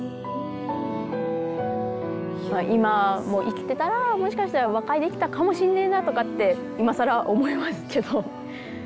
今も生きてたらもしかしたら和解できたかもしんねえなとかって今更思いますけど。